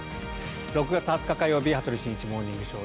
６月２０日、火曜日「羽鳥慎一モーニングショー」。